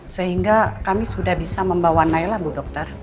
sehingga kami sudah bisa membawa naila bu dokter